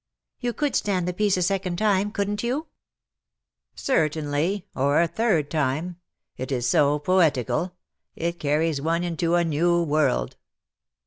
'''' You could stand the piece a second time, couldn't you ?"'' Certainly — or a third time. It is so poetical — it carries one into a new world